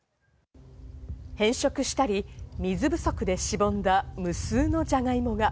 変色したり、水不足でしぼんだ無数のじゃがいもが。